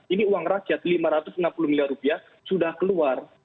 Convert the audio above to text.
ini uang rakyat lima ratus enam puluh miliar rupiah sudah keluar